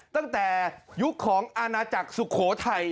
ตั้งแต่ยุคของอาณาจักรสุโขทัย